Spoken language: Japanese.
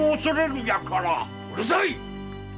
うるさい！